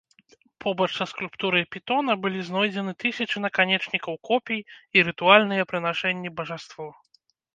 Побач са скульптурай пітона былі знойдзены тысячы наканечнікаў копій і рытуальныя прынашэнні бажаству.